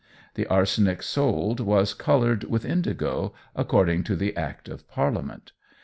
The arsenic sold was coloured with indigo, according to the Act of Parliament.